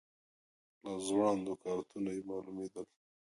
له ځوړندو کارتونو یې معلومېدل.